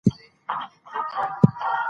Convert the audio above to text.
ګاز د افغانستان د هیوادوالو لپاره ویاړ دی.